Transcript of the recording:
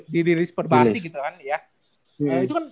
dirilis berbasi gitu kan ya